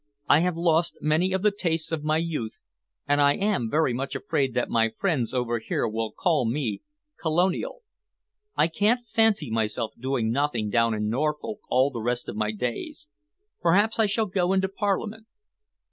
"I have lost many of the tastes of my youth, and I am very much afraid that my friends over here will call me colonial. I can't fancy myself doing nothing down in Norfolk all the rest of my days. Perhaps I shall go into Parliament."